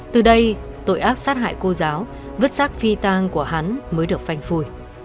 từ đây tội ác sát hại cô giáo vứt sát phi tang của hắn mới được phanh phui